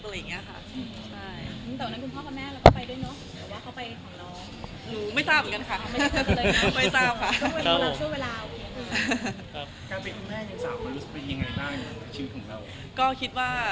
แต่บะปุ๋นหัวฉันนั้นคือพ่อแล้วก็น้อง